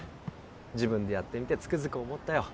自分でやってみてつくづく思ったよ